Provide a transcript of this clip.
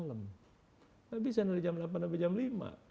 nggak bisa dari jam delapan sampai jam lima